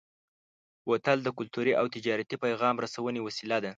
بوتل د کلتوري او تجارتي پیغام رسونې وسیله ده.